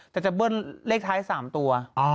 แต่จะเบิ้ลเลขท้าย๓ตัว